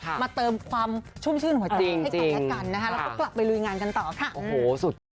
ไปหาครอบครัวที่เรารักเติมเต็มกำลังใจแล้วกลับมาชื่นชีวิตกันใหม่